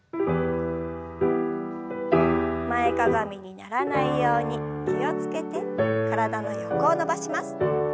前かがみにならないように気を付けて体の横を伸ばします。